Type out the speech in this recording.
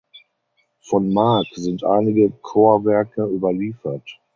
Von Marc sind einige Chorwerke überliefert.